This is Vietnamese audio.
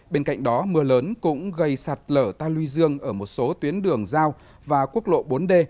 bên cạnh đó mưa lớn cũng gây sạt lở ta luy dương ở một số tuyến đường giao và quốc lộ bốn d